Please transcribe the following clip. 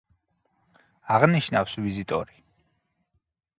აღნიშნავს ვიზიტორი.